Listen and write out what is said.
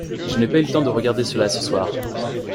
Je n’ai pas eu le temps de regarder cela ce soir.